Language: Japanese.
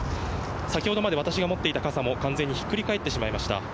先ほどまで私が持っていた傘も完全にひっくり返ってしまいました。